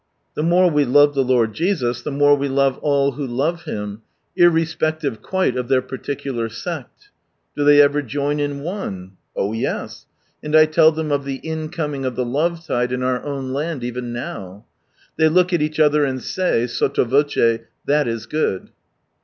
The more we love the Lord Jesus the more we love all who love Him, irrespective quite of their particular " sect." " Do they ever join in one ?" Oh yes 1 And I tell them of the incoming of the love tide in our own land, even now : they look at each other, and say, sotio voce, " That is good."